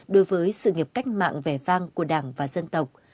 đối với sự nghiệp cách mạng vẻ vang của đảng và dân tộc